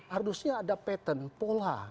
harusnya ada pattern pola